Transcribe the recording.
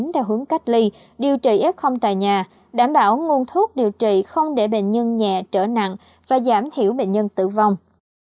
theo hướng cách ly điều trị f tại nhà đảm bảo nguồn thuốc điều trị không để bệnh nhân nhẹ trở nặng và giảm thiểu bệnh nhân tử vong